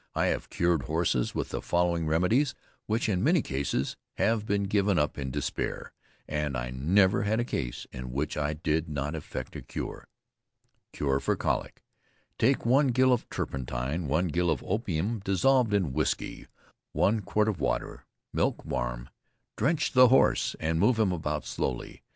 I have cured horses with the following remedies, which, (in many cases,) have been given up in despair, and I never had a case in which I did not effect a cure. CURE FOR COLIC. Take 1 gill of turpentine, 1 gill of opium dissolved in whisky; 1 quart of water, milk warm. Drench the horse and move him about slowly.